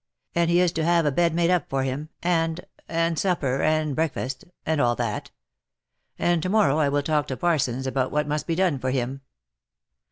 — and he is to have a bed made up for him, and — and supper, and breakfast — and all that; and to morrow I will talk to Parsons about whatmustbe done for him.